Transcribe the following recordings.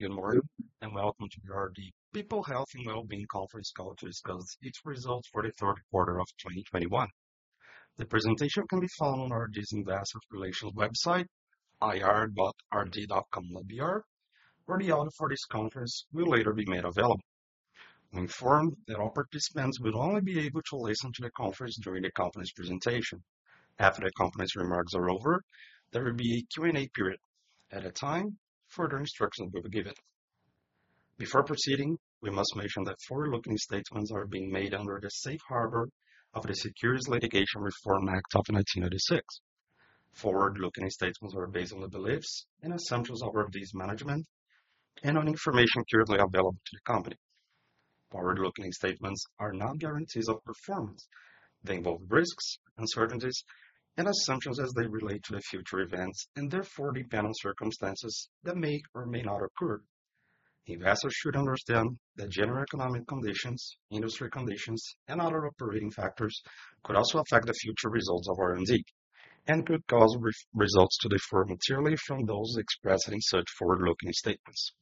Good morning, and welcome to the RD People Health and Wellbeing Conference call to discuss its results for the third quarter of 2021. The presentation can be found on RD's Investor Relations website, ir.rd.com.br, where the audio for this conference will later be made available. We inform that all participants will only be able to listen to the conference during the company's presentation. After the company's remarks are over, there will be a Q&A period. At that time, further instructions will be given. Before proceeding, we must mention that forward-looking statements are being made under the Safe Harbor of the Private Securities Litigation Reform Act of 1995. Forward-looking statements are based on the beliefs and assumptions of RD's management and on information currently available to the company. Forward-looking statements are not guarantees of performance. They involve risks, uncertainties, and assumptions as they relate to the future events and therefore depend on circumstances that may or may not occur. Investors should understand that general economic conditions, industry conditions, and other operating factors could also affect the future results of RD and could cause results to differ materially from those expressed in such forward-looking statements.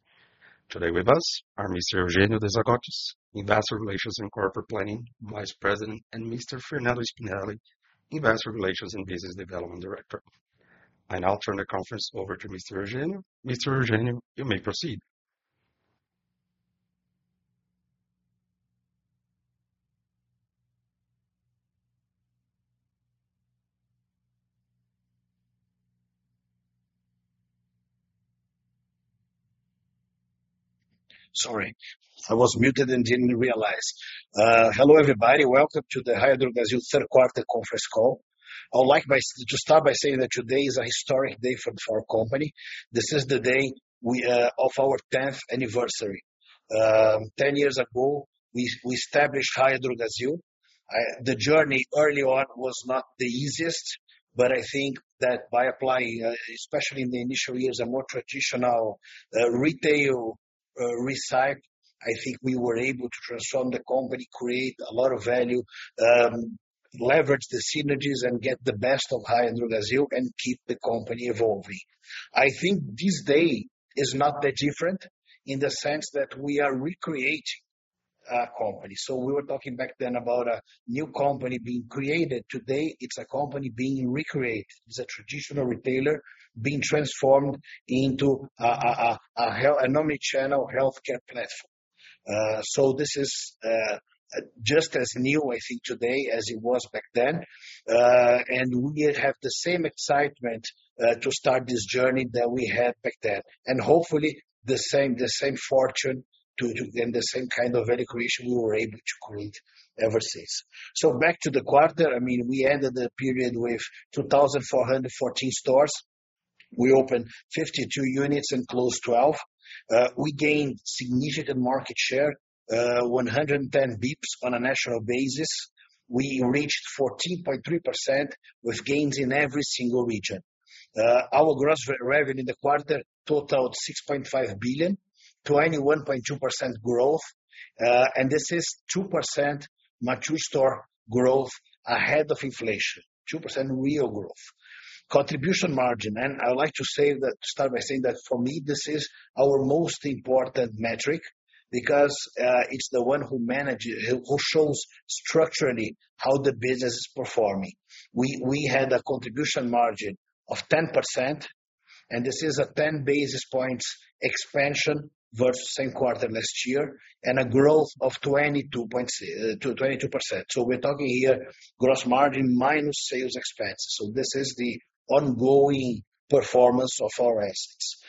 Today with us are Mr. Eugenio De Zagottis, Investor Relations and Corporate Planning Vice President, and Mr. Fernando Spinelli, Investor Relations and Business Development Director. I now turn the conference over to Mr. Eugenio. Mr. Eugenio, you may proceed. Sorry, I was muted and didn't realize. Hello, everybody. Welcome to the Raia Drogasil third quarter conference call. I would like to start by saying that today is a historic day for our company. This is the day of our 10th anniversary. 10 years ago, we established Raia Drogasil. The journey early on was not the easiest, but I think that by applying, especially in the initial years, a more traditional retail recipe, I think we were able to transform the company, create a lot of value, leverage the synergies, and get the best of Raia Drogasil, and keep the company evolving. I think this day is not that different in the sense that we are recreating a company. We were talking back then about a new company being created. Today, it's a company being recreated. It's a traditional retailer being transformed into an omni-channel healthcare platform. This is just as new, I think today as it was back then. We have the same excitement to start this journey that we had back then, and hopefully the same fortune to the same kind of value creation we were able to create ever since. Back to the quarter, I mean, we ended the period with 2,414 stores. We opened 52 units and closed 12. We gained significant market share, 110 basis points on a national basis. We reached 14.3% with gains in every single region. Our gross revenue in the quarter totaled 6.5 billion, 21.2% growth. This is 2% mature store growth ahead of inflation, 2% real growth. Contribution margin. I would like to start by saying that for me, this is our most important metric because it's the one who shows structurally how the business is performing. We had a contribution margin of 10%, and this is a 10 basis points expansion versus same quarter last year and a growth of 22%. We're talking here gross margin minus sales expenses. This is the ongoing performance of our assets.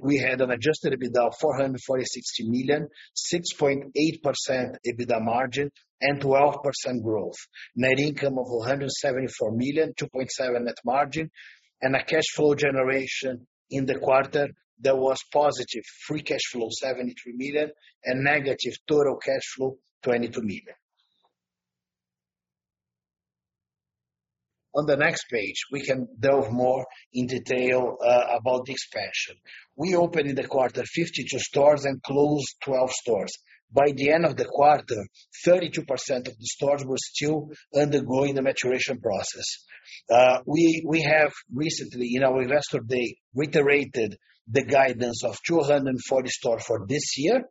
We had an adjusted EBITDA of 446 million, 6.8% EBITDA margin, and 12% growth. Net income of 174 million, 2.7% net margin, and a cash flow generation in the quarter that was positive. Free cash flow 73 million and negative total cash flow 22 million. On the next page, we can delve more in detail about the expansion. We opened in the quarter 52 stores and closed 12 stores. By the end of the quarter, 32% of the stores were still undergoing the maturation process. We have recently, in our Investor Day, reiterated the guidance of 240 stores for this year,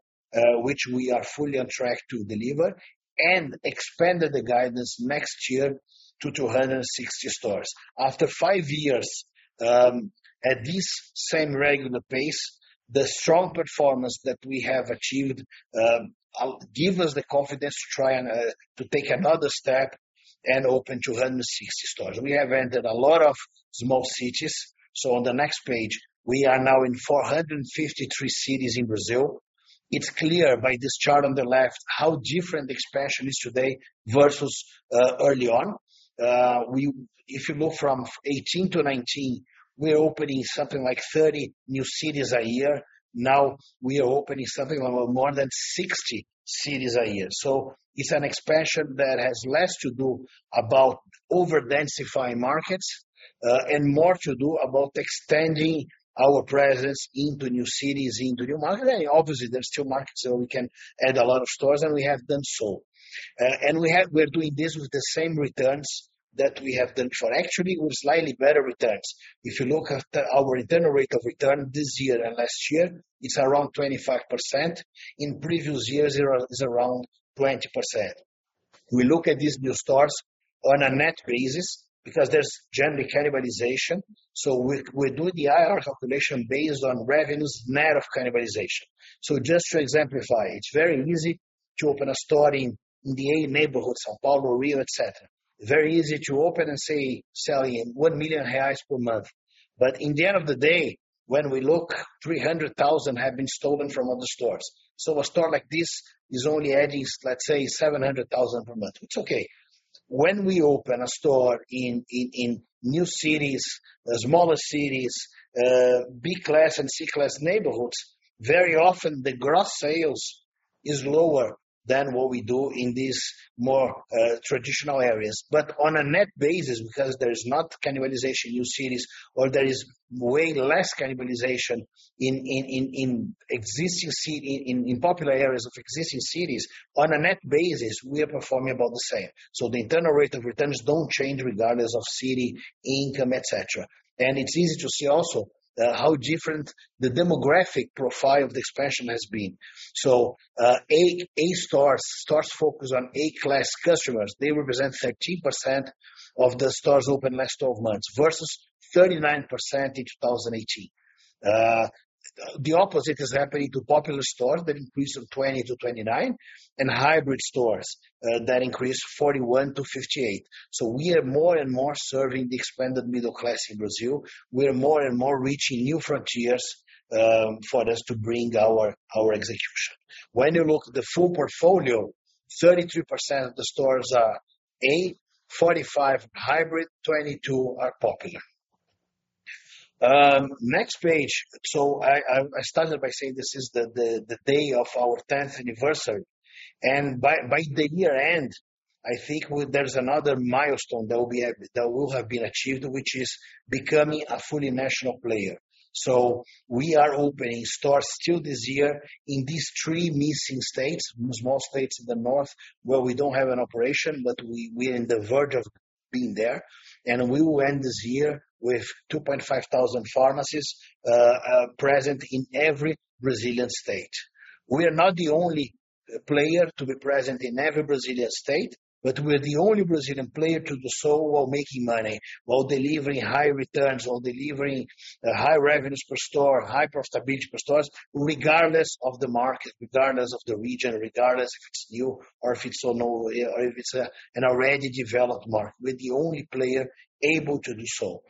which we are fully on track to deliver and expanded the guidance next year to 260 stores. After five years, at this same regular pace, the strong performance that we have achieved give us the confidence to try and to take another step and open 260 stores. We have entered a lot of small cities, so on the next page, we are now in 453 cities in Brazil. It's clear by this chart on the left how different the expansion is today versus early on. If you go from 2018 to 2019, we're opening something like 30 new cities a year. Now, we are opening something around more than 60 cities a year. It's an expansion that has less to do about over-densifying markets and more to do about extending our presence into new cities, into new markets. Obviously, there are still markets where we can add a lot of stores, and we have done so. We're doing this with the same returns that we have done. Actually, with slightly better returns. If you look at our internal rate of return this year and last year, it's around 25%. In previous years, it was around 20%. We look at these new stores on a net basis because there's generally cannibalization. We do the IR calculation based on revenues net of cannibalization. Just to exemplify, it's very easy to open a store in the A neighborhood, São Paulo, Rio, et cetera. Very easy to open and say selling 1 million reais per month. But in the end of the day, when we look, 300,000 have been stolen from other stores. A store like this is only adding, let's say, 700,000 per month. It's okay. When we open a store in new cities, smaller cities, B class and C class neighborhoods, very often the gross sales is lower than what we do in these more traditional areas. On a net basis, because there is not cannibalization in new cities, or there is way less cannibalization in popular areas of existing cities, on a net basis, we are performing about the same. The internal rate of returns don't change regardless of city income, et cetera. It's easy to see also how different the demographic profile of the expansion has been. A stores focused on A class customers represent 13% of the stores opened last 12 months versus 39% in 2018. The opposite is happening to popular stores that increased from 20 to 29, and hybrid stores that increased 41 to 58. We are more and more serving the expanded middle class in Brazil. We are more and more reaching new frontiers for us to bring our execution. When you look at the full portfolio, 33% of the stores are A, 45% hybrid, 22% are popular. Next page. I started by saying this is the day of our 10th anniversary. By year-end, I think there's another milestone that will have been achieved, which is becoming a fully national player. We are opening stores still this year in these three missing states, the small states in the north, where we don't have an operation, but we are on the verge of being there. We will end this year with 2,500 pharmacies present in every Brazilian state. We are not the only player to be present in every Brazilian state, but we're the only Brazilian player to do so while making money, while delivering high returns, while delivering high revenues per store, high profitability per stores, regardless of the market, regardless of the region, regardless if it's new or if it's an already developed market. We're the only player able to do so.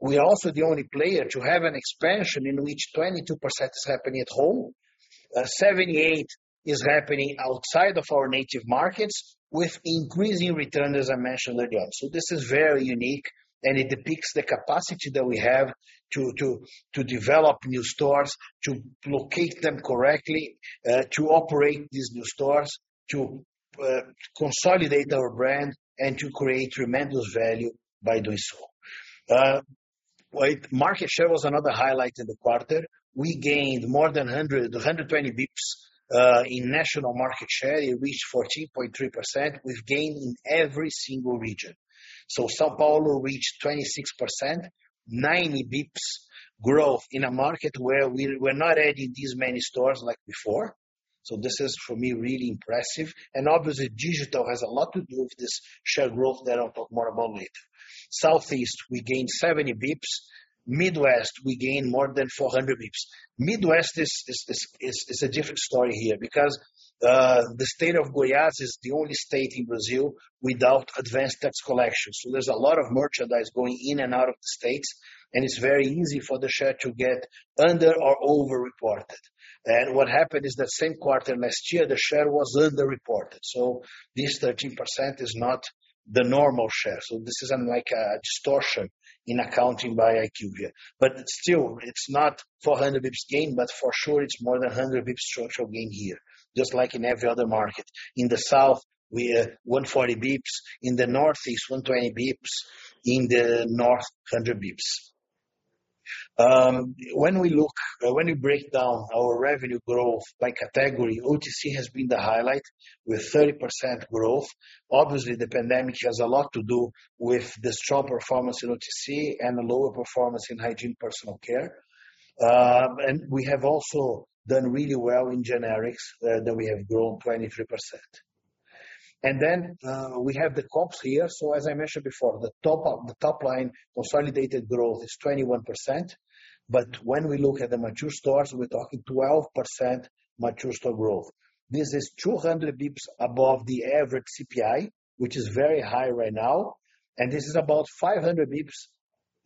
We are also the only player to have an expansion in which 22% is happening at home, 78% is happening outside of our native markets with increasing return, as I mentioned again. This is very unique, and it depicts the capacity that we have to develop new stores, to locate them correctly, to operate these new stores, to consolidate our brand, and to create tremendous value by doing so. Market share was another highlight in the quarter. We gained more than 120 basis points in national market share. It reached 14.3%. We've gained in every single region. São Paulo reached 26%, 90 basis points growth in a market where we're not adding these many stores like before. This is for me, really impressive. Obviously, digital has a lot to do with this share growth that I'll talk more about later. Southeast, we gained 70 basis points. Midwest, we gained more than 400 basis points. Midwest is a different story here because the state of Goiás is the only state in Brazil without advanced tax collection. So there's a lot of merchandise going in and out of the state, and it's very easy for the share to get under or over-reported. What happened is that same quarter last year, the share was under-reported. So this 13% is not the normal share. So this is unlike a distortion in accounting by IQVIA. But still, it's not 400 basis points gain, but for sure it's more than 100 basis points structural gain here, just like in every other market. In the South, we have 140 basis points. In the northeast, 120 basis points. In the north, 100 basis points. When we break down our revenue growth by category, OTC has been the highlight with 30% growth. Obviously, the pandemic has a lot to do with the strong performance in OTC and lower performance in hygiene personal care. We have also done really well in generics, that we have grown 23%. We have the comps here. As I mentioned before, the top line consolidated growth is 21%. When we look at the mature stores, we're talking 12% mature store growth. This is 200 basis points above the average CPI, which is very high right now. This is about 500 basis points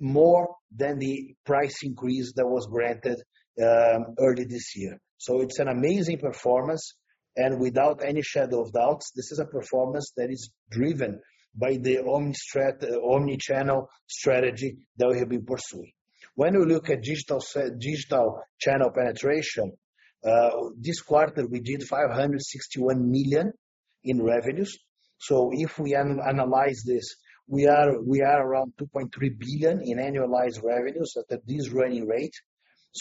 more than the price increase that was granted, early this year. It's an amazing performance. Without any shadow of doubt, this is a performance that is driven by the omni-channel strategy that we have been pursuing. When we look at digital channel penetration, this quarter, we did 561 million in revenues. If we analyze this, we are around 2.3 billion in annualized revenues at this running rate.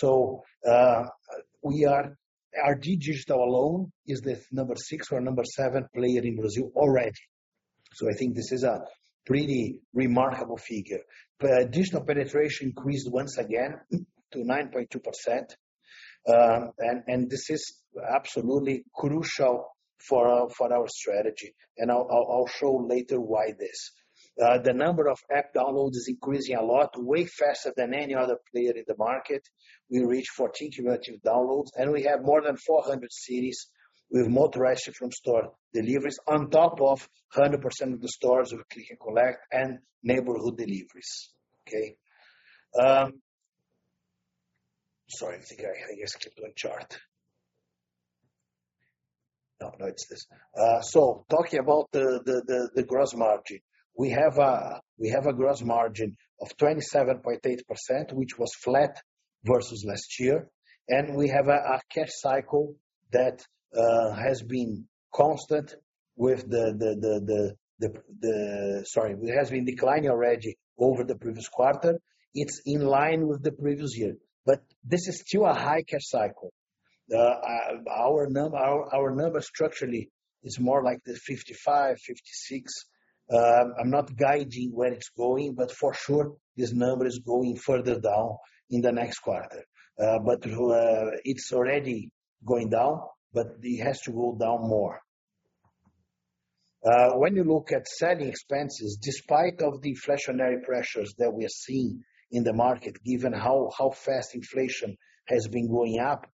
Our digital alone is the number 6 or number 7 player in Brazil already. I think this is a pretty remarkable figure. Digital penetration increased once again to 9.2%, and this is absolutely crucial for our strategy. I'll show later why this. The number of app downloads is increasing a lot way faster than any other player in the market. We reached 14 cumulative downloads, and we have more than 400 cities with multi-hour ship from store deliveries on top of 100% of the stores with click and collect and neighborhood deliveries. Sorry, I think I just clicked one chart. No, it's this. Talking about the gross margin. We have a gross margin of 27.8%, which was flat versus last year. We have a cash cycle that has been declining already over the previous quarter. It's in line with the previous year. This is still a high cash cycle. Our number structurally is more like 55-56. I'm not guiding where it's going, but for sure this number is going further down in the next quarter. It's already going down, but it has to go down more. When you look at selling expenses, despite of the inflationary pressures that we are seeing in the market, given how fast inflation has been going up,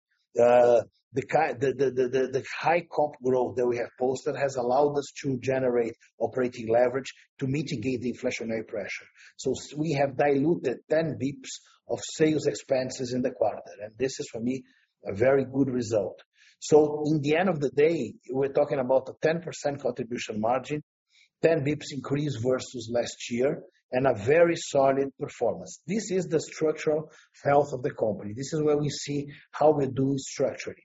the high comp growth that we have posted has allowed us to generate operating leverage to mitigate the inflationary pressure. We have diluted 10 basis points of sales expenses in the quarter, and this is for me, a very good result. In the end of the day, we're talking about a 10% contribution margin, 10 basis points increase versus last year, and a very solid performance. This is the structural health of the company. This is where we see how we're doing structurally,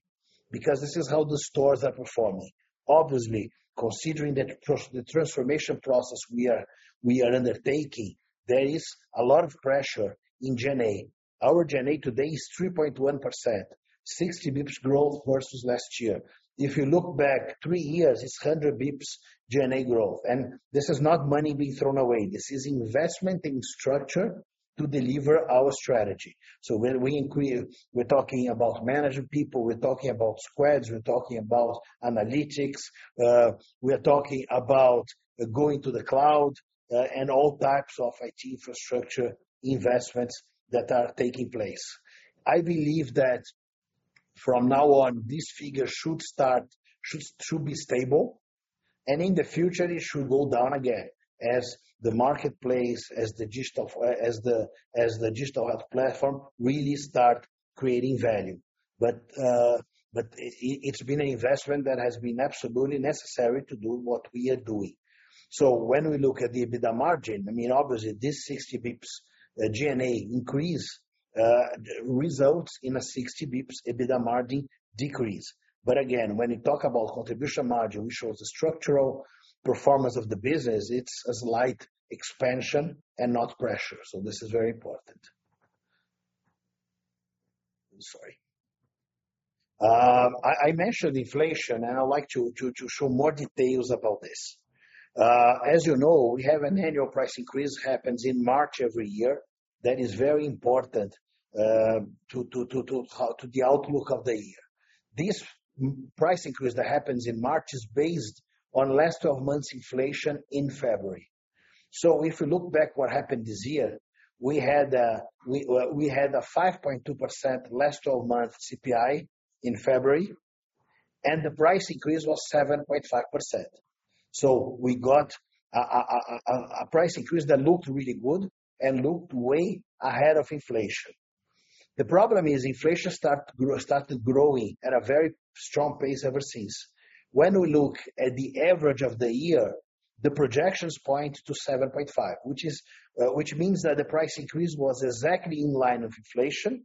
because this is how the stores are performing. Obviously, considering the transformation process we are undertaking, there is a lot of pressure in G&A. Our G&A today is 3.1%, 60 basis points growth versus last year. If you look back three years, it's 100 basis points G&A growth, and this is not money being thrown away. This is investment in structure to deliver our strategy. When we increase, we're talking about managing people, we're talking about squads, we're talking about analytics, we are talking about going to the cloud, and all types of IT infrastructure investments that are taking place. I believe that from now on, this figure should be stable, and in the future it should go down again as the digital health platform really start creating value. It's been an investment that has been absolutely necessary to do what we are doing. When we look at the EBITDA margin, I mean, obviously this 60 basis points G&A increase results in a 60 basis points EBITDA margin decrease. Again, when you talk about contribution margin, which shows the structural performance of the business, it's a slight expansion and not pressure. This is very important. I'm sorry. I mentioned inflation, and I'd like to show more details about this. As you know, we have an annual price increase happens in March every year that is very important to the outlook of the year. This price increase that happens in March is based on last 12 months inflation in February. If you look back what happened this year, we had a 5.2% last 12-month CPI in February, and the price increase was 7.5%. We got a price increase that looked really good and looked way ahead of inflation. The problem is inflation started growing at a very strong pace ever since. When we look at the average for the year, the projections point to 7.5%, which means that the price increase was exactly in line with inflation,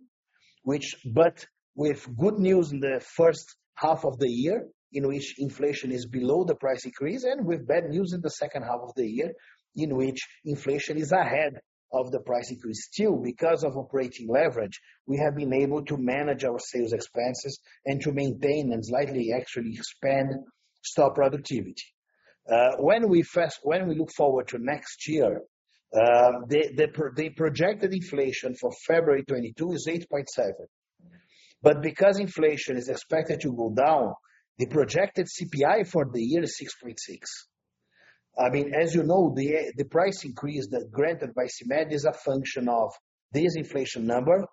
but with good news in the first half of the year in which inflation is below the price increase, and with bad news in the second half of the year in which inflation is ahead of the price increase. Still, because of operating leverage, we have been able to manage our sales expenses and to maintain and slightly actually expand store productivity. When we look forward to next year, the projected inflation for February 2022 is 8.7%. Because inflation is expected to go down, the projected CPI for the year is 6.6%. I mean, as you know, the price increase that granted by CMED is a function of this inflation number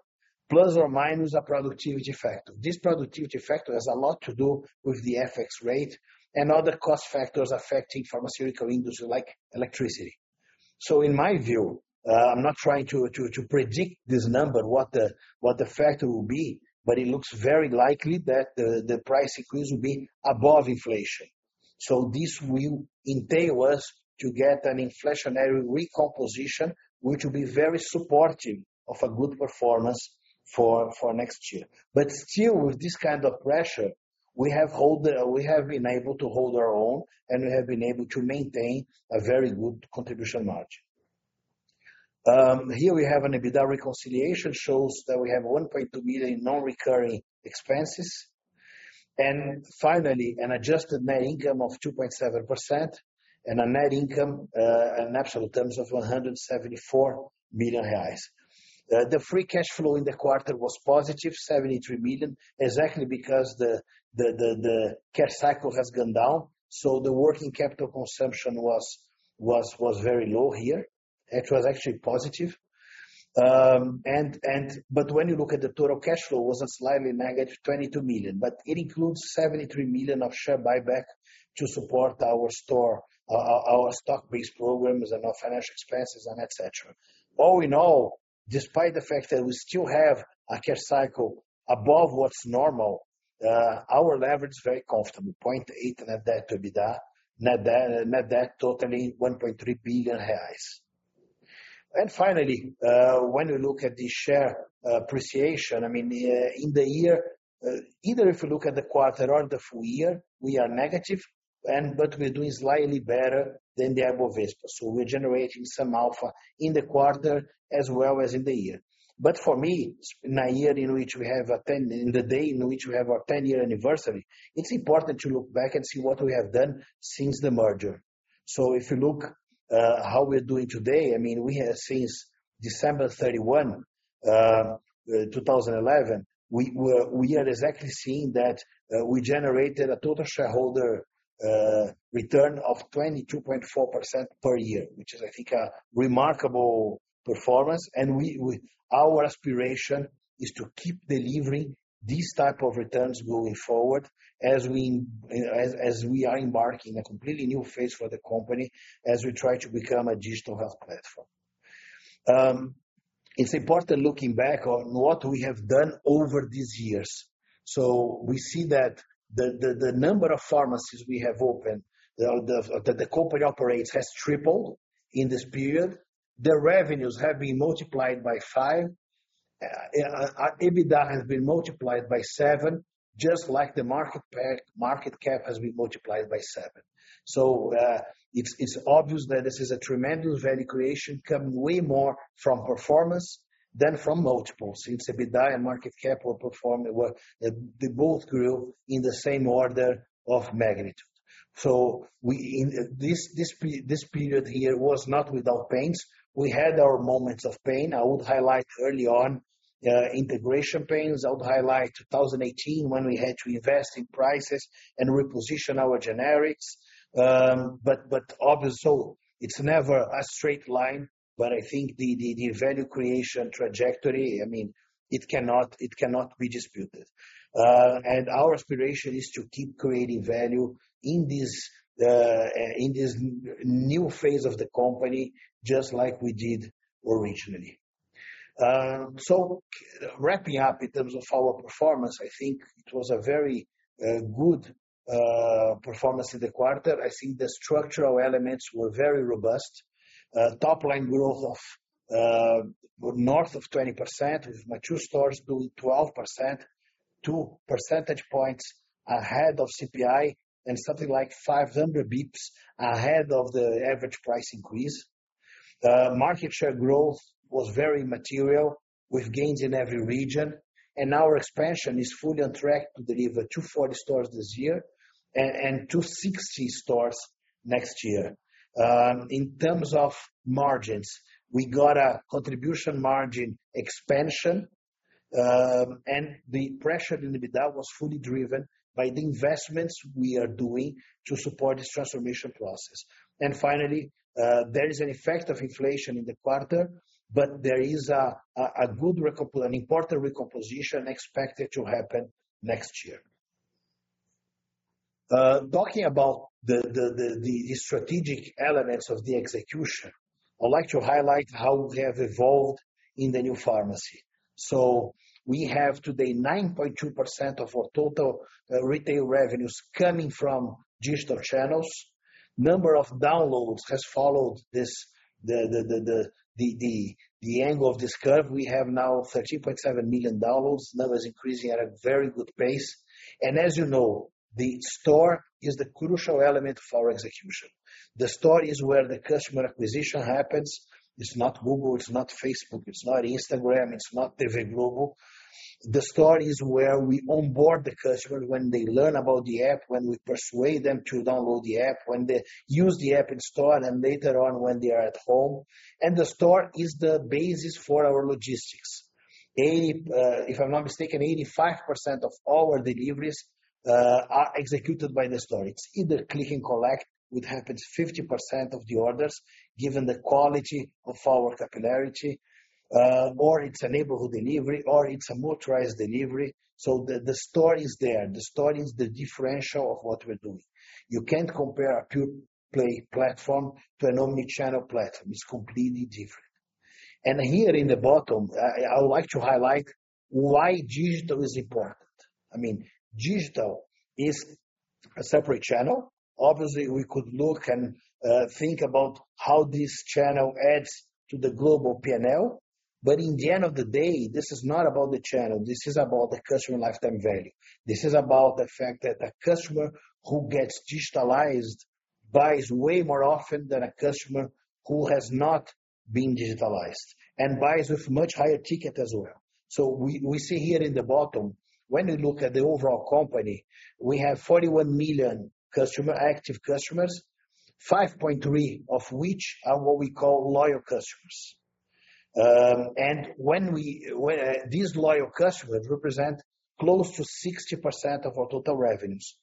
plus or minus a productivity factor. This productivity factor has a lot to do with the FX rate and other cost factors affecting pharmaceutical industry like electricity. In my view, I'm not trying to predict this number, what the factor will be, but it looks very likely that the price increase will be above inflation. This will enable us to get an inflationary recomposition, which will be very supportive of a good performance for next year. Still, with this kind of pressure, we have been able to hold our own, and we have been able to maintain a very good contribution margin. Here we have an EBITDA reconciliation shows that we have 1.2 billion non-recurring expenses. Finally, an adjusted net income of 2.7% and a net income in absolute terms of 174 million reais. The free cash flow in the quarter was positive 73 million, exactly because the cash cycle has gone down. The working capital consumption was very low here. It was actually positive. When you look at the total cash flow, it was slightly negative 22 million. It includes 73 million of share buyback to support our store, our stock-based programs and our financial expenses and et cetera. All in all, despite the fact that we still have a cash cycle above what's normal, our leverage is very comfortable, 0.8 net debt to EBITDA. Net debt total BRL 1.3 billion. Finally, when you look at the share appreciation, I mean, in the year, either if you look at the quarter or the full year, we are negative, but we're doing slightly better than the Ibovespa. We're generating some alpha in the quarter as well as in the year. For me, in a year in which we have a 10, on the day in which we have our 10-year anniversary, it's important to look back and see what we have done since the merger. If you look how we're doing today, I mean, we have since December 31, 2011, we are exactly seeing that we generated a total shareholder return of 22.4% per year, which I think is a remarkable performance. Our aspiration is to keep delivering these type of returns going forward as we are embarking a completely new phase for the company as we try to become a digital health platform. It's important looking back on what we have done over these years. We see that the number of pharmacies we have opened that the company operates has tripled in this period. The revenues have been multiplied by 5. EBITDA has been multiplied by 7, just like the market cap has been multiplied by 7. It's obvious that this is a tremendous value creation coming way more from performance than from multiples. Since EBITDA and market cap, they both grew in the same order of magnitude. In this period here, it was not without pains. We had our moments of pain. I would highlight early on, integration pains. I would highlight 2018 when we had to invest in prices and reposition our generics. Obviously, it's never a straight line. I think the value creation trajectory, I mean, it cannot be disputed. Our aspiration is to keep creating value in this new phase of the company, just like we did originally. Wrapping up in terms of our performance, I think it was a very good performance in the quarter. I think the structural elements were very robust. Top line growth of north of 20%, with mature stores doing 12%, 2 percentage points ahead of CPI and something like 500 basis points ahead of the average price increase. Market share growth was very material with gains in every region. Our expansion is fully on track to deliver 240 stores this year and 260 stores next year. In terms of margins, we got a contribution margin expansion, and the pressure in EBITDA was fully driven by the investments we are doing to support this transformation process. Finally, there is an effect of inflation in the quarter, but there is an important recomposition expected to happen next year. Talking about the strategic elements of the execution, I'd like to highlight how we have evolved in the new pharmacy. We have today 9.2% of our total retail revenues coming from digital channels. Number of downloads has followed the angle of this curve. We have now 13.7 million downloads. Number is increasing at a very good pace. As you know, the store is the crucial element for our execution. The store is where the customer acquisition happens. It's not Google, it's not Facebook, it's not Instagram, it's not TV Globo. The store is where we onboard the customer when they learn about the app, when we persuade them to download the app, when they use the app in store and later on when they are at home. The store is the basis for our logistics. If I'm not mistaken, 85% of all our deliveries are executed by the store. It's either click and collect, which happens 50% of the orders, given the quality of our capillarity, or it's a neighborhood delivery, or it's a motorized delivery. The store is there. The store is the differential of what we're doing. You can't compare a pure play platform to an omni-channel platform. It's completely different. Here in the bottom, I would like to highlight why digital is important. I mean, digital is a separate channel. Obviously, we could look and think about how this channel adds to the global P&L. But in the end of the day, this is not about the channel, this is about the customer lifetime value. This is about the fact that a customer who gets digitalized buys way more often than a customer who has not been digitalized, and buys with much higher ticket as well. We see here in the bottom, when you look at the overall company, we have 41 million customers, active customers, 5.3 million of which are what we call loyal customers. These loyal customers represent close to 60% of our total revenues.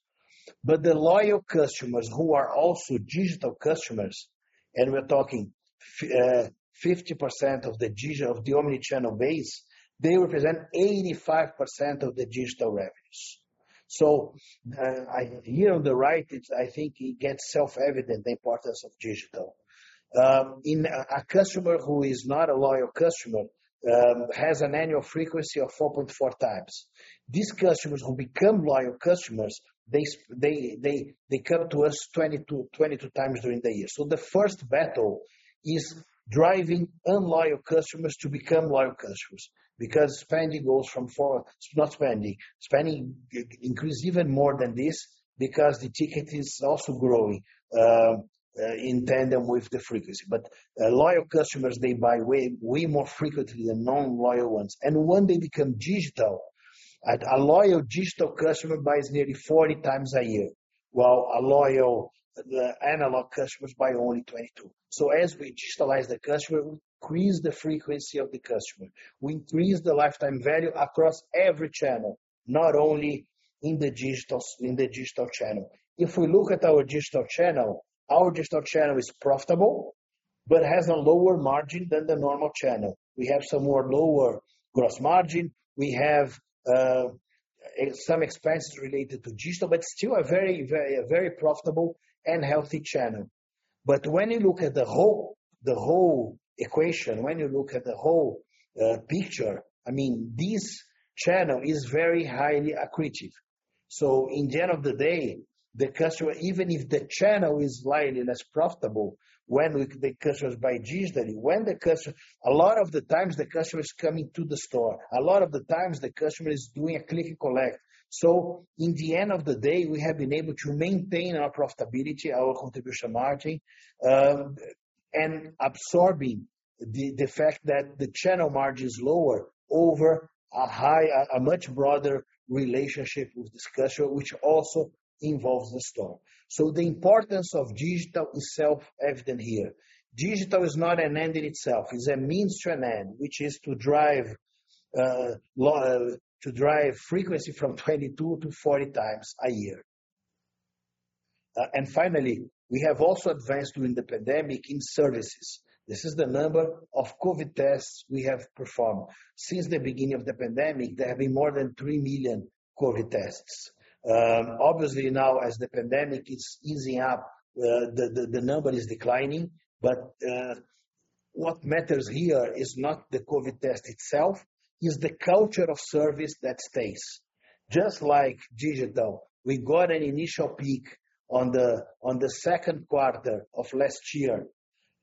Loyal customers who are also digital customers, and we're talking 50% of the omni-channel base, they represent 85% of the digital revenues. Here on the right, I think it gets self-evident the importance of digital. A customer who is not a loyal customer has an annual frequency of 4.4 times. These customers who become loyal customers, they come to us 22 times during the year. The first battle is driving unloyal customers to become loyal customers, because spending goes from 4.4. Spending increases even more than this because the ticket is also growing in tandem with the frequency. Loyal customers, they buy way more frequently than non-loyal ones. When they become digital, a loyal digital customer buys nearly 40 times a year, while a loyal analog customers buy only 22. As we digitalize the customer, we increase the frequency of the customer. We increase the lifetime value across every channel, not only in the digital channel. If we look at our digital channel, our digital channel is profitable but has a lower margin than the normal channel. We have somewhat lower gross margin. We have some expenses related to digital, but still a very profitable and healthy channel. When you look at the whole equation, when you look at the whole picture, I mean, this channel is very highly accretive. In the end of the day, the customer, even if the channel is slightly less profitable when the customers buy digitally, a lot of the times the customer is coming to the store. A lot of the times the customer is doing a click and collect. In the end of the day, we have been able to maintain our profitability, our contribution margin, and absorbing the fact that the channel margin is lower over a much broader relationship with this customer, which also involves the store. The importance of digital is self-evident here. Digital is not an end in itself. It's a means to an end, which is to drive frequency from 22 to 40 times a year. Finally, we have also advanced during the pandemic in services. This is the number of COVID tests we have performed. Since the beginning of the pandemic, there have been more than 3 million COVID tests. Obviously now, as the pandemic is easing up, the number is declining. But what matters here is not the COVID test itself, it's the culture of service that stays. Just like digital, we got an initial peak on the second quarter of last year,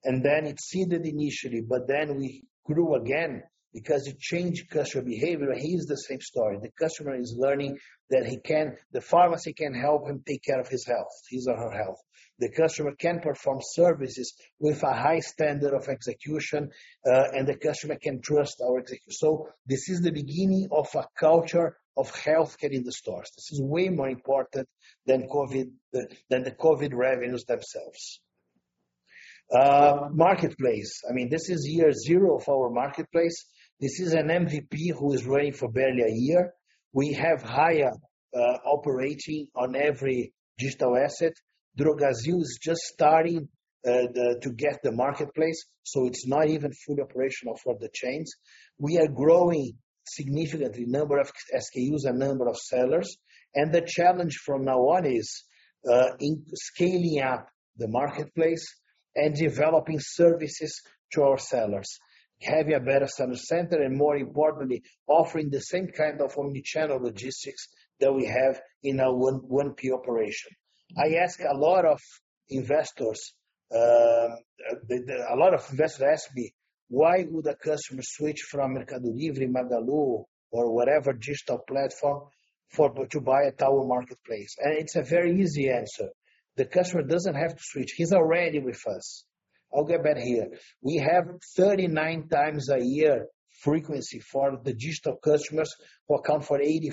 and then it receded initially, but then we grew again because it changed customer behavior. Here's the same story. The customer is learning that the pharmacy can help him take care of his health, his or her health. The customer can perform services with a high standard of execution, and the customer can trust our execution. This is the beginning of a culture of healthcare in the stores. This is way more important than COVID, than the COVID revenues themselves. Marketplace. I mean, this is year zero for our marketplace. This is an MVP who is running for barely a year. We have higher operating on every digital asset. Drogasil is just starting to get the marketplace, so it's not even fully operational for the chains. We are growing significantly, number of SKUs and number of sellers. The challenge from now on is in scaling up the marketplace and developing services to our sellers. Having a better seller center, and more importantly, offering the same kind of omni-channel logistics that we have in our 1P operation. I ask, a lot of investors ask me, "Why would a customer switch from Mercado Livre, Magalu or whatever digital platform to buy at our marketplace?" It's a very easy answer. The customer doesn't have to switch. He's already with us. I'll get back here. We have 39 times a year frequency for the digital customers who account for 85%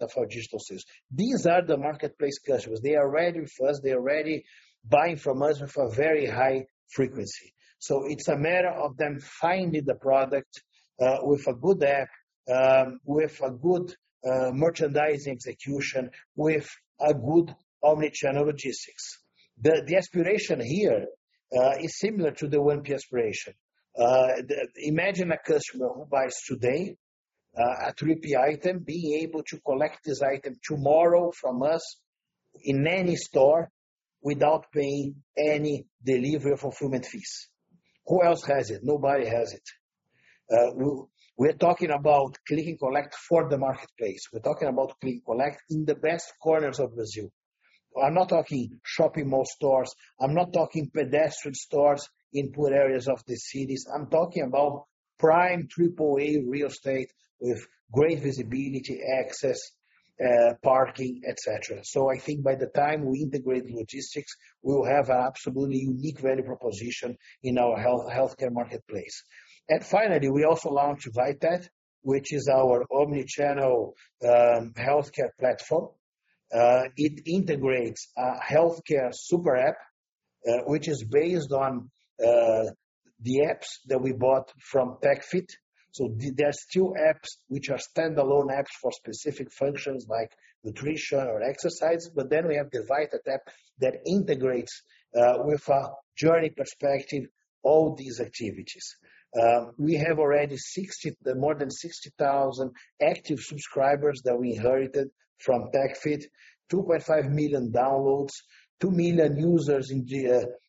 of our digital sales. These are the marketplace customers. They are already with us. They're already buying from us with a very high frequency. It's a matter of them finding the product with a good app with a good merchandising execution with a good omni-channel logistics. The aspiration here is similar to the 1P aspiration. Imagine a customer who buys today, a 3P item, being able to collect this item tomorrow from us in any store without paying any delivery fulfillment fees. Who else has it? Nobody has it. We're talking about click and collect for the marketplace. We're talking about click and collect in the best corners of Brazil. I'm not talking shopping mall stores. I'm not talking pedestrian stores in poor areas of the cities. I'm talking about prime triple A real estate with great visibility access, parking, et cetera. I think by the time we integrate logistics, we'll have an absolutely unique value proposition in our healthcare marketplace. Finally, we also launched Vitat, which is our omni-channel healthcare platform. It integrates a healthcare super app, which is based on the apps that we bought from tech.fit. There are still apps which are standalone apps for specific functions like nutrition or exercise, but then we have the Vitat app that integrates with a journey perspective, all these activities. We have already more than 60,000 active subscribers that we inherited from tech.fit, 2.5 million downloads, 2 million users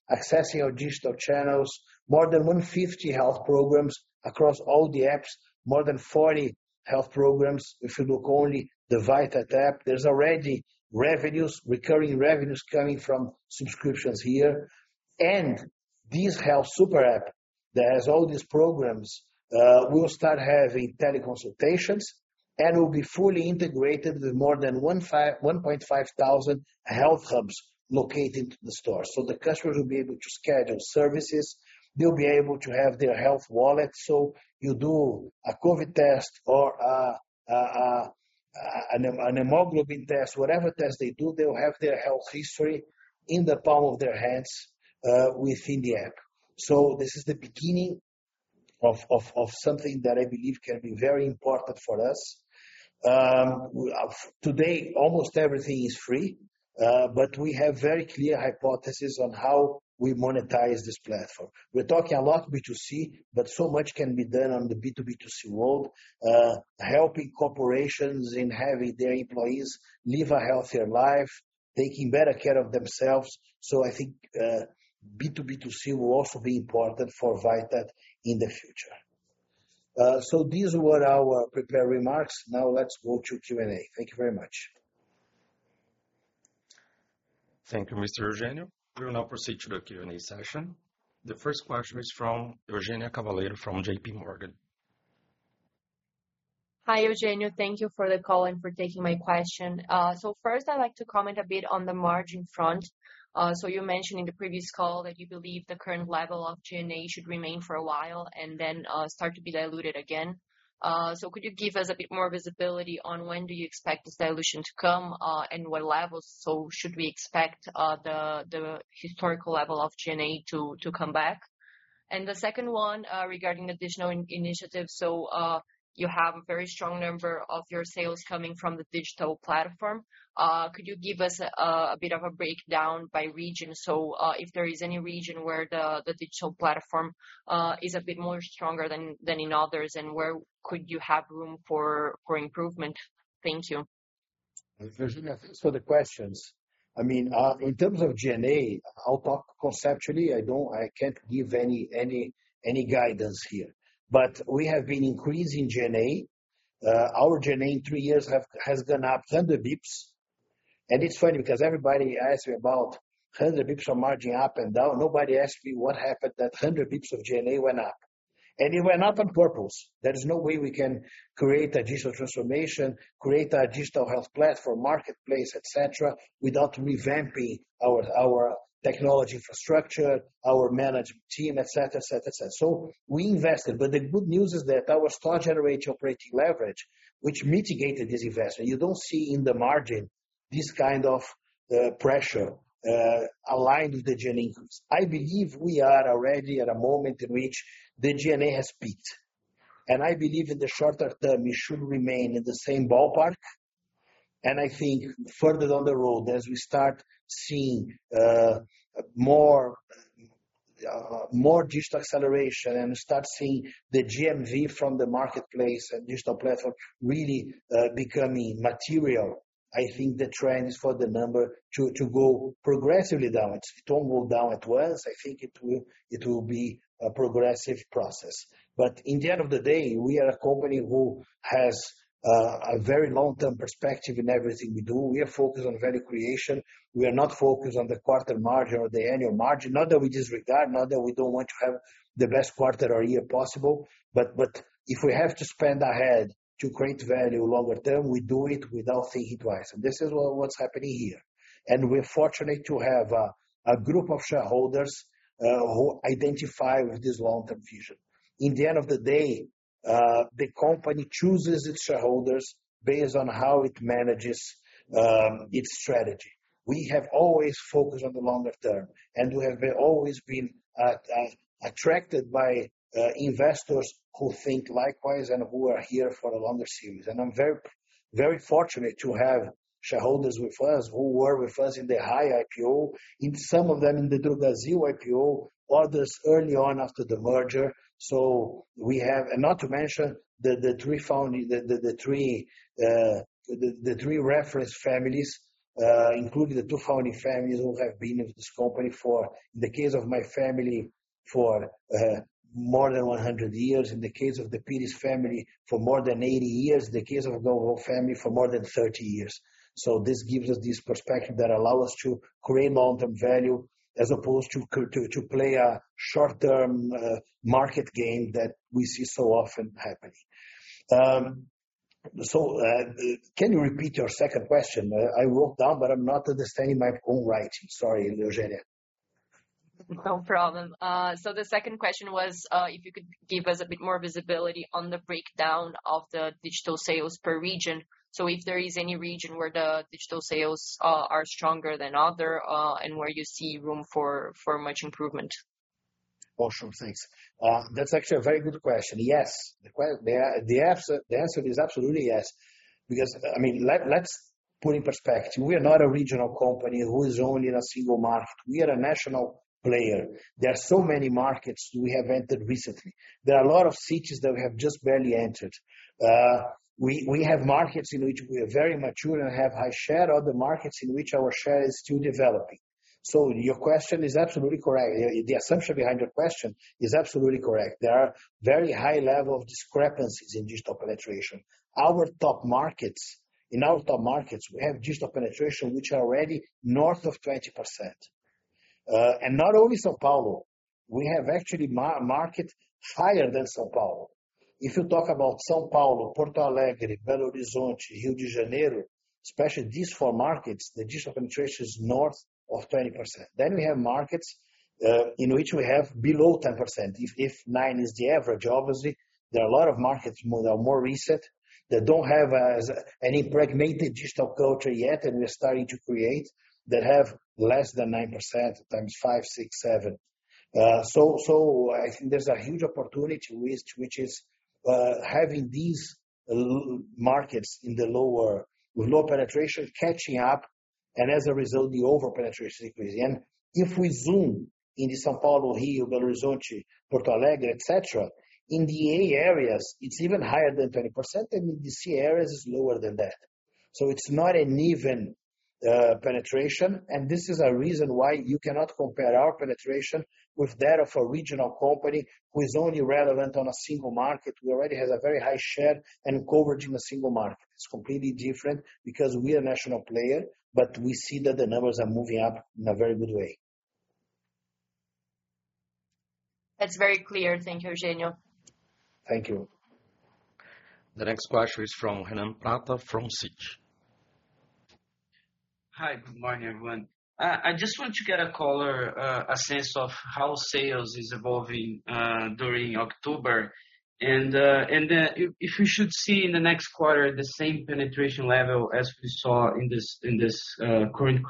accessing our digital channels, more than 150 health programs across all the apps, more than 40 health programs if you look only the Vitat app. There's already revenues, recurring revenues coming from subscriptions here. This health super app that has all these programs will start having teleconsultations and will be fully integrated with more than 1,500 health hubs located in the store. The customers will be able to schedule services. They'll be able to have their health wallet. You do a COVID test or a hemoglobin test, whatever test they do, they'll have their health history in the palm of their hands within the app. This is the beginning of something that I believe can be very important for us. Today, almost everything is free, but we have very clear hypothesis on how we monetize this platform. We're talking a lot B2C, but so much can be done on the B2B2C world, helping corporations in having their employees live a healthier life, taking better care of themselves. I think B2B2C will also be important for Vitat in the future. These were our prepared remarks. Now let's go to Q&A. Thank you very much. Thank you, Mr. Eugenio. We will now proceed to the Q&A session. The first question is from Eugenia Cavalheiro from JPMorgan. Hi, Eugenio. Thank you for the call and for taking my question. First, I'd like to comment a bit on the margin front. You mentioned in the previous call that you believe the current level of G&A should remain for a while and then start to be diluted again. Could you give us a bit more visibility on when do you expect this dilution to come and what levels, so should we expect the historical level of G&A to come back? The second one, regarding the digital initiative. You have a very strong number of your sales coming from the digital platform. Could you give us a bit of a breakdown by region? If there is any region where the digital platform is a bit more stronger than in others, and where could you have room for improvement? Thank you. Eugenia, thanks for the questions. In terms of G&A, I'll talk conceptually. I can't give any guidance here. We have been increasing G&A. Our G&A in three years has gone up 100 basis points. It's funny because everybody asks me about 100 basis points of margin up and down. Nobody asks me what happened to that 100 basis points of G&A went up. It went up on purpose. There is no way we can create a digital transformation, create a digital health platform, marketplace, et cetera, without revamping our technology infrastructure, our management team, et cetera. We invested. The good news is that our store generates operating leverage, which mitigated this investment. You don't see in the margin this kind of pressure aligned with the G&A increase. I believe we are already at a moment in which the G&A has peaked. I believe in the shorter term, it should remain in the same ballpark. I think further down the road, as we start seeing more digital acceleration and start seeing the GMV from the marketplace and digital platform really becoming material, I think the trend is for the number to go progressively down. It don't go down at once. I think it will be a progressive process. In the end of the day, we are a company who has a very long-term perspective in everything we do. We are focused on value creation. We are not focused on the quarter margin or the annual margin. Not that we disregard, not that we don't want to have the best quarter or year possible, but if we have to spend ahead to create value longer term, we do it without thinking twice. This is what's happening here. We're fortunate to have a group of shareholders who identify with this long-term vision. At the end of the day, the company chooses its shareholders based on how it manages its strategy. We have always focused on the longer term, and we have always been attracted by investors who think likewise and who are here for a longer term. I'm very fortunate to have shareholders with us who were with us in the Raia IPO, and some of them in the Drogasil IPO, others early on after the merger. We have, not to mention the three reference families, including the two founding families who have been with this company for, in the case of my family, for more than 100 years, in the case of the Pires family, for more than 80 years, in the case of the Goulart family for more than 30 years. This gives us this perspective that allow us to create long-term value as opposed to play a short-term market game that we see so often happening. Can you repeat your second question? I wrote down, but I'm not understanding my own writing. Sorry, Eugenia. No problem. So the second question was, if you could give us a bit more visibility on the breakdown of the digital sales per region. If there is any region where the digital sales are stronger than other, and where you see room for much improvement. Oh, sure. Thanks. That's actually a very good question. Yes. The answer is absolutely yes. Because I mean, let's put in perspective. We are not a regional company who is only in a single market. We are a national player. There are so many markets we have entered recently. There are a lot of cities that we have just barely entered. We have markets in which we are very mature and have high share. Other markets in which our share is still developing. Your question is absolutely correct. The assumption behind your question is absolutely correct. There are very high level of discrepancies in digital penetration. In our top markets, we have digital penetration which are already north of 20%. Not only São Paulo, we have actually markets higher than São Paulo. If you talk about São Paulo, Porto Alegre, Belo Horizonte, Rio de Janeiro, especially these four markets, the digital penetration is north of 20%. We have markets in which we have below 10%. If 9% is the average, obviously, there are a lot of markets that are more recent that don't have any ingrained digital culture yet and just starting to create that have 5%, 6%, 7%. I think there's a huge opportunity which is having these lower markets with low penetration catching up, and as a result, the overall penetration increasing. If we zoom into São Paulo, Rio, Belo Horizonte, Porto Alegre, et cetera, in the A areas it's even higher than 20%, and in the C areas it's lower than that. It's not an even penetration, and this is a reason why you cannot compare our penetration with that of a regional company who is only relevant on a single market, who already has a very high share and coverage in a single market. It's completely different because we are a national player, but we see that the numbers are moving up in a very good way. That's very clear. Thank you, Eugenio. Thank you. The next question is from Renan Prata from Citi. Hi. Good morning, everyone. I just want to get a color, a sense of how sales is evolving during October and if we should see in the next quarter the same penetration level as we saw in this current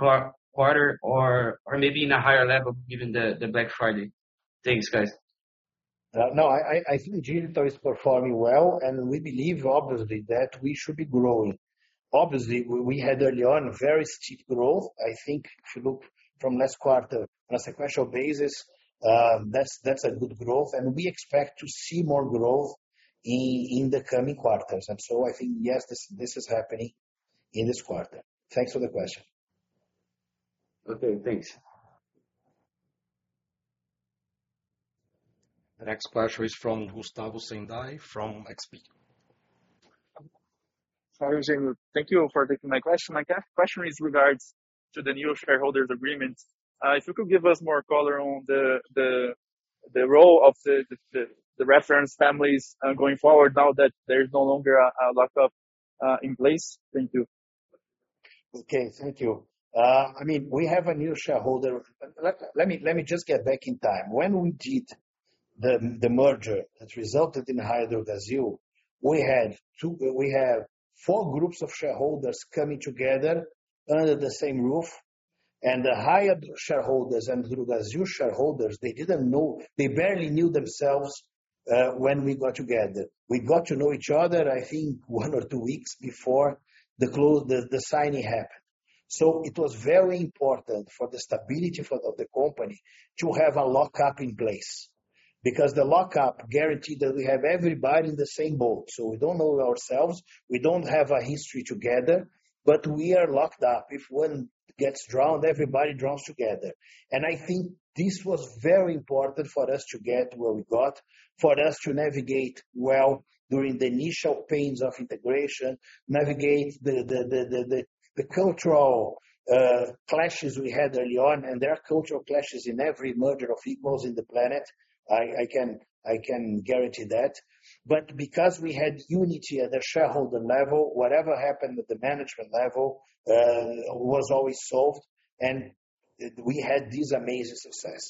quarter or maybe in a higher level given the Black Friday. Thanks, guys. No, I think digital is performing well, and we believe obviously that we should be growing. Obviously, we had early on very steep growth. I think if you look from last quarter on a sequential basis, that's a good growth. We expect to see more growth in the coming quarters. I think, yes, this is happening in this quarter. Thanks for the question. Okay, thanks. The next question is from Gustavo Senday from XP. Hi, Eugenio. Thank you for taking my question. My question is regarding the new shareholder agreements. If you could give us more color on the role of the reference families going forward now that there is no longer a lockup in place. Thank you. Okay, thank you. I mean, we have a new shareholder. Let me just get back in time. When we did the merger that resulted in Raia Drogasil, we have four groups of shareholders coming together under the same roof. The Raia shareholders and Drogasil shareholders, they barely knew themselves when we got together. We got to know each other, I think one or two weeks before the signing happened. It was very important for the stability of the company to have a lockup in place. Because the lockup guaranteed that we have everybody in the same boat. We don't know ourselves, we don't have a history together, but we are locked up. If one gets drowned, everybody drowns together. I think this was very important for us to get where we got, for us to navigate well during the initial pains of integration, navigate the cultural clashes we had early on. There are cultural clashes in every merger of equals on the planet. I can guarantee that. Because we had unity at the shareholder level, whatever happened at the management level was always solved, and we had this amazing success.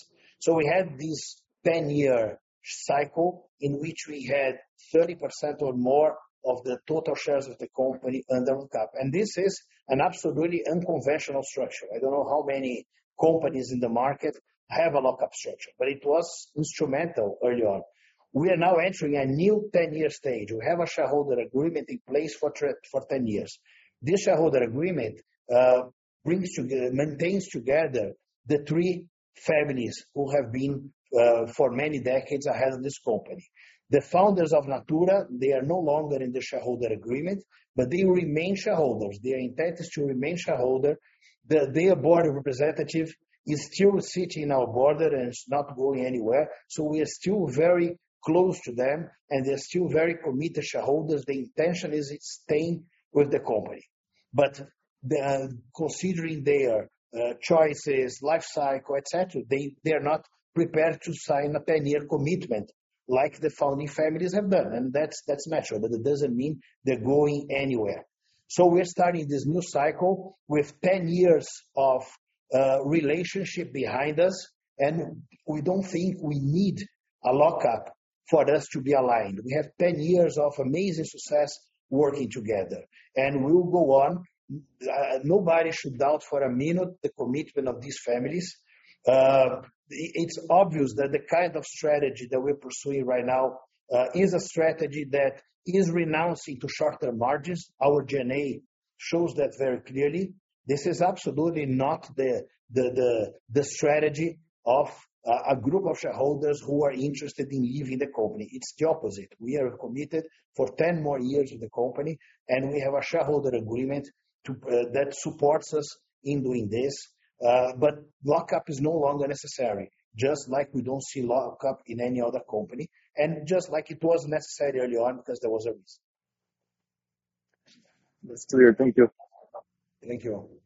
We had this ten-year cycle in which we had 30% or more of the total shares of the company under lockup. This is an absolutely unconventional structure. I don't know how many companies in the market have a lockup structure, but it was instrumental early on. We are now entering a new 10-year stage. We have a shareholder agreement in place for 10 years. This shareholder agreement maintains together the three families who have been for many decades ahead of this company. The founders of Natura, they are no longer in the shareholder agreement, but they remain shareholders. Their intent is to remain shareholder. Their board representative is still sitting in our board, and it's not going anywhere, so we are still very close to them and they're still very committed shareholders. The intention is staying with the company. Considering their choices, life cycle, et cetera, they're not prepared to sign a 10-year commitment like the founding families have done, and that's natural, but it doesn't mean they're going anywhere. We're starting this new cycle with 10 years of relationship behind us, and we don't think we need a lockup for us to be aligned. We have 10 years of amazing success working together, and we'll go on. Nobody should doubt for a minute the commitment of these families. It's obvious that the kind of strategy that we're pursuing right now is a strategy that is renouncing to shorter margins. Our G&A shows that very clearly. This is absolutely not the strategy of a group of shareholders who are interested in leaving the company. It's the opposite. We are committed for 10 more years in the company, and we have a shareholder agreement that supports us in doing this. Lockup is no longer necessary, just like we don't see lockup in any other company, and just like it wasn't necessary early on because there was a risk. That's clear. Thank you. Thank you.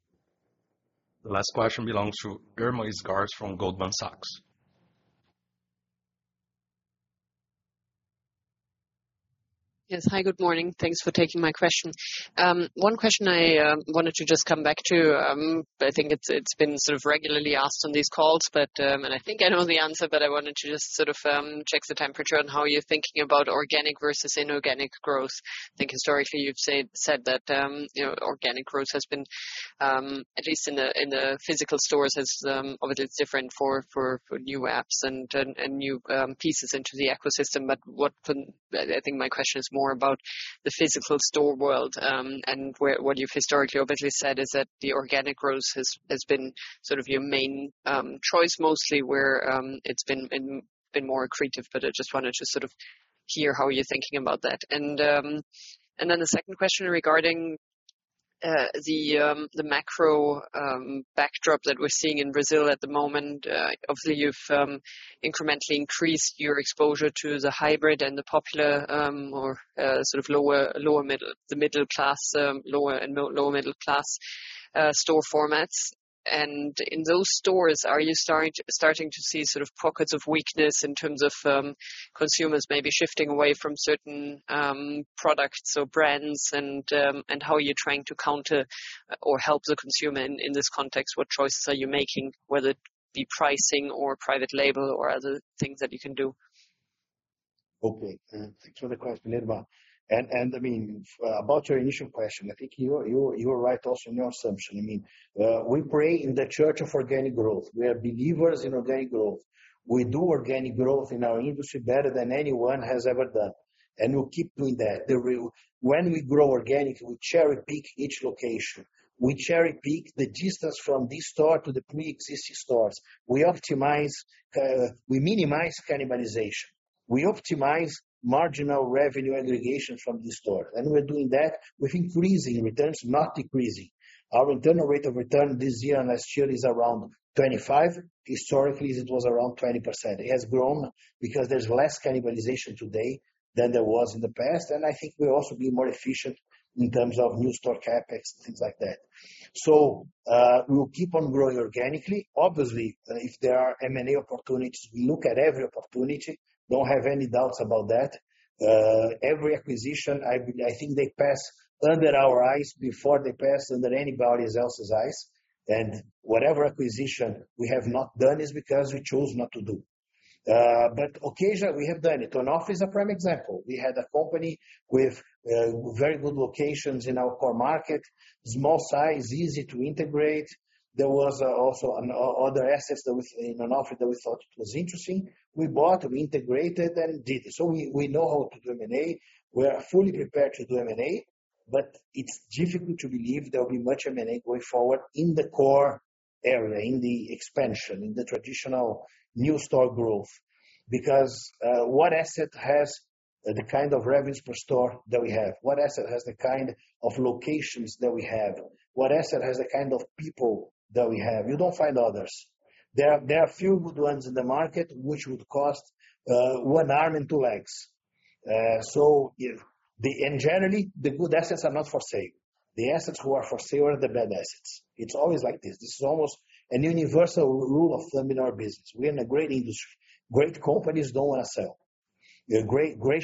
The last question belongs to Irma Sgarz from Goldman Sachs. Yes. Hi, good morning. Thanks for taking my question. One question I wanted to just come back to. I think it's been sort of regularly asked on these calls, but I think I know the answer, but I wanted to just sort of check the temperature on how you're thinking about organic versus inorganic growth. I think historically you've said that you know, organic growth has been at least in the physical stores, obviously it's different for new apps and new pieces into the ecosystem. I think my question is more about the physical store world, what you've historically obviously said is that the organic growth has been sort of your main choice mostly where it's been more accretive. I just wanted to sort of hear how you're thinking about that. The second question regarding the macro backdrop that we're seeing in Brazil at the moment. Obviously you've incrementally increased your exposure to the hybrid and the popular or sort of lower middle the middle class lower and lower middle class store formats. In those stores, are you starting to see sort of pockets of weakness in terms of consumers maybe shifting away from certain products or brands and how you're trying to counter or help the consumer in this context? What choices are you making, whether it be pricing or private label or other things that you can do? Okay. Thanks for the question, Irma. I mean, about your initial question, I think you're right also in your assumption. I mean, we pray in the church of organic growth. We are believers in organic growth. We do organic growth in our industry better than anyone has ever done, and we'll keep doing that. When we grow organic, we cherry-pick each location. We cherry-pick the distance from this store to the preexisting stores. We optimize, we minimize cannibalization. We optimize marginal revenue aggregation from the store, and we're doing that with increasing returns, not decreasing. Our internal rate of return this year and last year is around 25%. Historically, it was around 20%. It has grown because there's less cannibalization today than there was in the past, and I think we'll also be more efficient in terms of new store CapEx and things like that. We'll keep on growing organically. Obviously, if there are M&A opportunities, we look at every opportunity. Don't have any doubts about that. Every acquisition, I think they pass under our eyes before they pass under anybody else's eyes. Whatever acquisition we have not done is because we chose not to do. But occasionally we have done it. Onofre is a prime example. We had a company with very good locations in our core market. Small size, easy to integrate. There was also another asset that was on offer that we thought it was interesting. We bought, we integrated and did. We know how to do M&A. We are fully prepared to do M&A, but it's difficult to believe there'll be much M&A going forward in the core area, in the expansion, in the traditional new store growth. What asset has the kind of revenues per store that we have? What asset has the kind of locations that we have? What asset has the kind of people that we have? You don't find others. There are few good ones in the market which would cost one arm and two legs. And generally, the good assets are not for sale. The assets who are for sale are the bad assets. It's always like this. This is almost a universal rule of thumb in our business. We're in a great industry. Great companies don't wanna sell. The great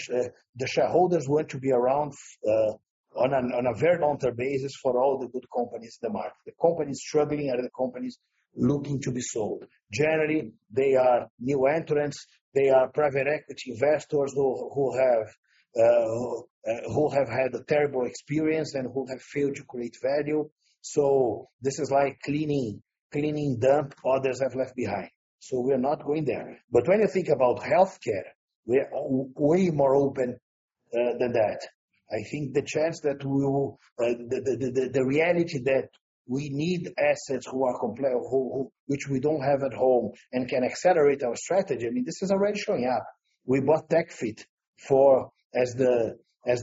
shareholders want to be around on a very long-term basis for all the good companies in the market. The companies struggling are the companies looking to be sold. Generally, they are new entrants. They are private equity investors who have had a terrible experience and who have failed to create value. This is like cleaning dumps others have left behind. We're not going there. When you think about healthcare, we are way more open than that. I think the reality that we need assets which we don't have at home and can accelerate our strategy, I mean, this is already showing up. We bought tech.fit as the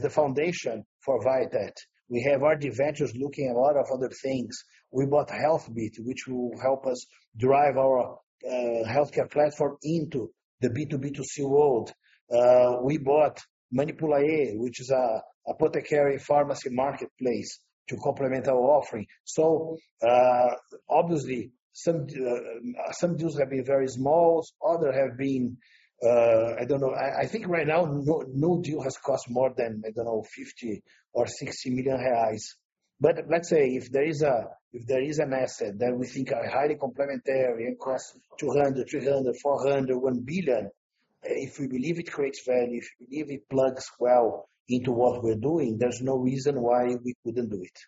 foundation for Vitat. We have RD Ventures looking at a lot of other things. We bought HealthBit, which will help us drive our healthcare platform into the B2B2C world. We bought Manipulaê, which is a apothecary pharmacy marketplace to complement our offering. Obviously, some deals have been very small. Others have been, I don't know. I think right now, no deal has cost more than, I don't know, 50 million or 60 million reais. Let's say if there is an asset that we think are highly complementary and costs 200 million, 300 million, 400 million, 1 billion, if we believe it creates value, if we believe it plugs well into what we're doing, there's no reason why we couldn't do it.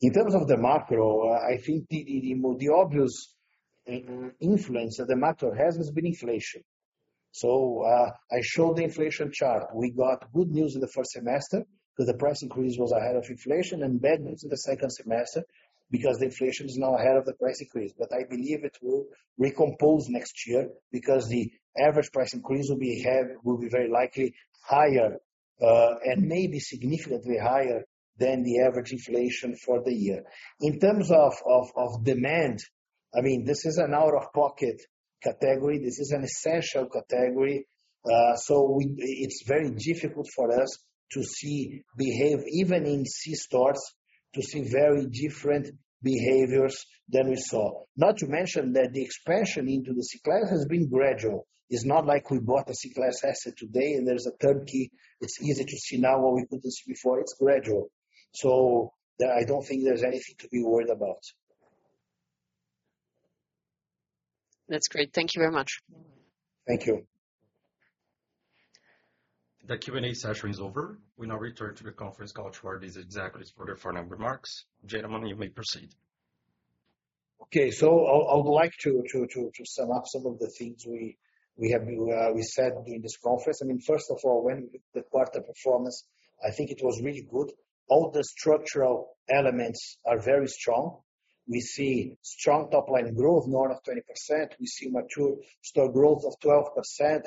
In terms of the macro, I think the obvious influence that the macro has been inflation. I showed the inflation chart. We got good news in the first semester that the price increase was ahead of inflation and bad news in the second semester because the inflation is now ahead of the price increase. I believe it will recompose next year because the average price increase will be very likely higher, and maybe significantly higher than the average inflation for the year. In terms of demand, I mean, this is an out-of-pocket category. This is an essential category. It's very difficult for us to see behavior even in C stores to see very different behaviors than we saw. Not to mention that the expansion into the C class has been gradual. It's not like we bought a C class asset today and there's a turnkey. It's easy to see now what we put this before. It's gradual. I don't think there's anything to be worried about. That's great. Thank you very much. Thank you. The Q&A session is over. We now return to the conference call to our business executives for their final remarks. Eugenio, you may proceed. Okay. I would like to sum up some of the things we have said in this conference. I mean, first of all, when we look at the quarter performance, I think it was really good. All the structural elements are very strong. We see strong top line growth, north of 20%. We see mature store growth of 12%,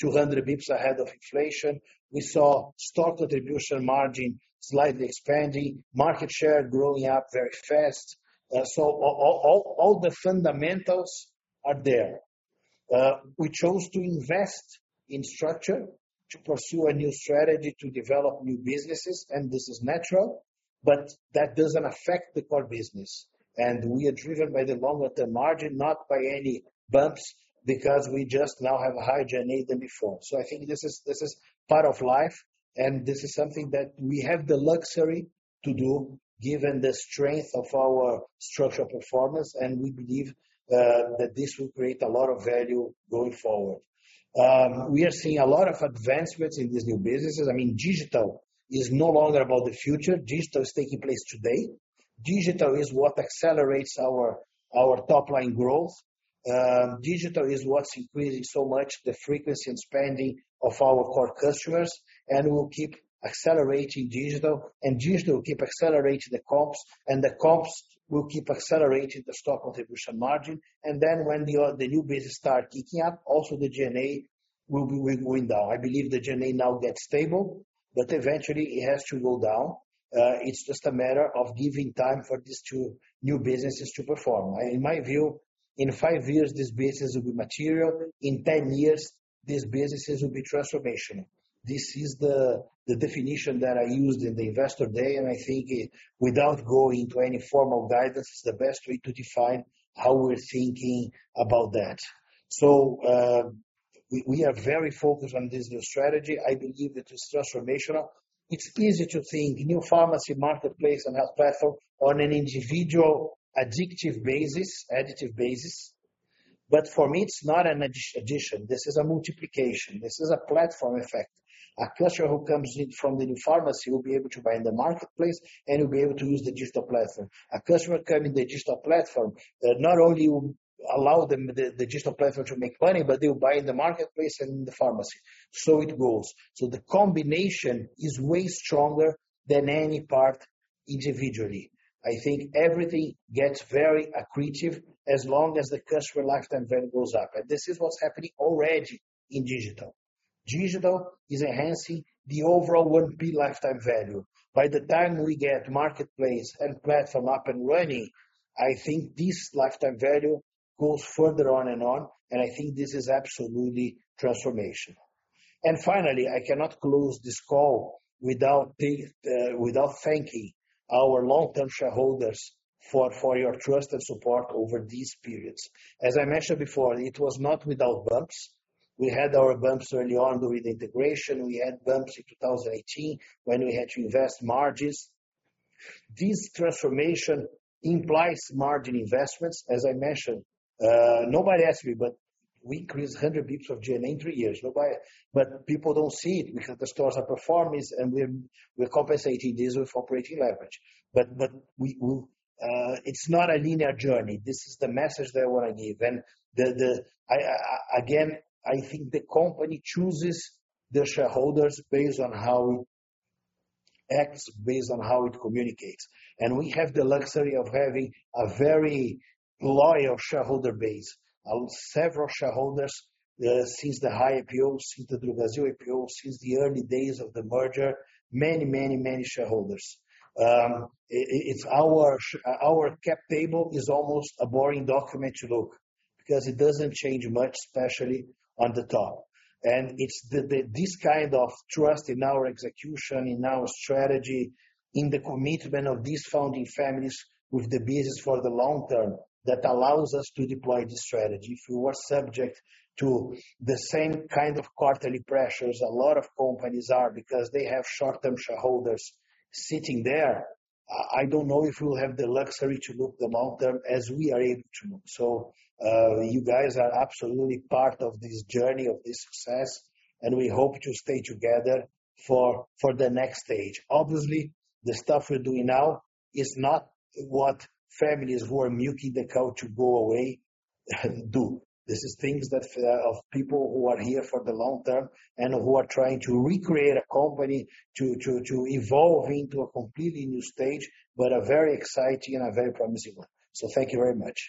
200 basis points ahead of inflation. We saw store contribution margin slightly expanding, market share growing very fast. All the fundamentals are there. We chose to invest in infrastructure to pursue a new strategy to develop new businesses, and this is natural, but that doesn't affect the core business. We are driven by the long-term margin, not by any bumps, because we just now have a higher G&A than before. I think this is part of life, and this is something that we have the luxury to do given the strength of our structural performance, and we believe that this will create a lot of value going forward. We are seeing a lot of advancements in these new businesses. I mean, digital is no longer about the future. Digital is taking place today. Digital is what accelerates our top-line growth. Digital is what's increasing so much the frequency and spending of our core customers and will keep accelerating digital, and digital will keep accelerating the comps, and the comps will keep accelerating the store contribution margin. When the new business start kicking up, also the G&A will be wind down. I believe the G&A now gets stable, but eventually it has to go down. It's just a matter of giving time for these two new businesses to perform. In my view, in five years, this business will be material. In ten years, these businesses will be transformational. This is the definition that I used in the Investor Day, and I think without going to any formal guidance, it's the best way to define how we're thinking about that. We are very focused on this new strategy. I believe that it's transformational. It's easy to think new pharmacy, marketplace, and health platform on an individual additive basis, but for me, it's not an addition. This is a multiplication. This is a platform effect. A customer who comes in from the new pharmacy will be able to buy in the marketplace and will be able to use the digital platform. A customer coming in the digital platform not only will allow them the digital platform to make money, but they will buy in the marketplace and in the pharmacy. It goes. The combination is way stronger than any part individually. I think everything gets very accretive as long as the customer lifetime value goes up, and this is what's happening already in digital. Digital is enhancing the overall one big lifetime value. By the time we get marketplace and platform up and running, I think this lifetime value goes further on and on, and I think this is absolutely transformational. Finally, I cannot close this call without thanking our long-term shareholders for your trust and support over these periods. As I mentioned before, it was not without bumps. We had our bumps early on during the integration. We had bumps in 2018 when we had to invest margins. This transformation implies margin investments, as I mentioned. Nobody asked me, but we increased 100 basis points of G&A in three years. People don't see it because the stores are performing, and we're compensating this with operating leverage. It's not a linear journey. This is the message that I wanna give. Again, I think the company chooses the shareholders based on how it acts, based on how it communicates. We have the luxury of having a very loyal shareholder base. Our several shareholders since the Raia IPO, since the Drogasil IPO, since the early days of the merger, many shareholders. It's our cap table is almost a boring document to look because it doesn't change much, especially on the top. It's this kind of trust in our execution, in our strategy, in the commitment of these founding families with the business for the long term that allows us to deploy this strategy. If we were subject to the same kind of quarterly pressures a lot of companies are because they have short-term shareholders sitting there, I don't know if we'll have the luxury to look the long term as we are able to. You guys are absolutely part of this journey, of this success, and we hope to stay together for the next stage. Obviously, the stuff we're doing now is not what families who are milking the cow to go away do. This is things that of people who are here for the long term and who are trying to recreate a company to evolve into a completely new stage, but a very exciting and a very promising one. Thank you very much.